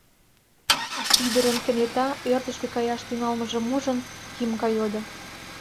— ӱдырын кенета ӧрдыжкӧ каяш тӱҥалмыжым ужын, Тимка йодо.